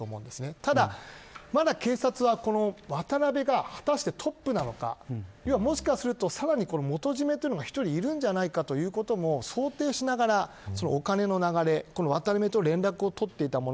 ただ、まだ警察は渡辺が果たしてトップなのかもしかするとさらに元締が１人いるのではないかということも想定しながら、お金の流れ渡辺と連絡を取っていたもの。